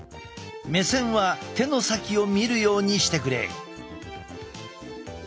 目線は手の先を見るようにしてくれ。